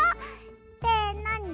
ってなに？